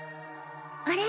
あれ？